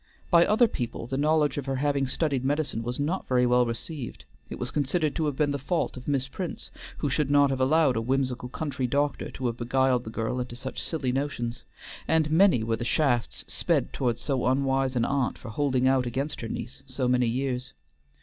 By other people the knowledge of her having studied medicine was not very well received. It was considered to have been the fault of Miss Prince, who should not have allowed a whimsical country doctor to have beguiled the girl into such silly notions, and many were the shafts sped toward so unwise an aunt for holding out against her niece so many years.